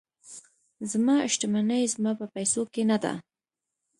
زما شتمني زما په پیسو کې نه ده.